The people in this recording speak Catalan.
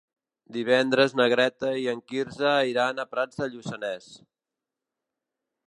Divendres na Greta i en Quirze iran a Prats de Lluçanès.